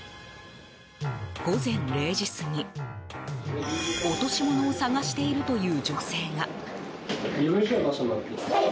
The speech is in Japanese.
午前０時過ぎ、落とし物を探しているという女性が。